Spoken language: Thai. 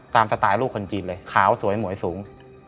สไตล์ลูกคนจีนเลยขาวสวยหมวยสูง